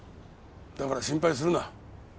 だから心配するな。